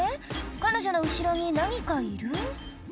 彼女の後ろに何かいる？